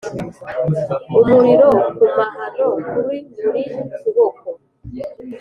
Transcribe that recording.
umuriro ku mahano kuri buri kuboko.